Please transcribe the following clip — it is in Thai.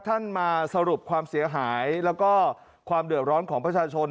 ท่านมาสรุปความเสียหายแล้วก็ความเดือดร้อนของประชาชน